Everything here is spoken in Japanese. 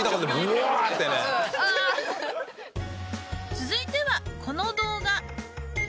続いてはこの動画。